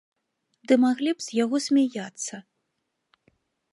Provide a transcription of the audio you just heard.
Ды маглі б з яго смяяцца.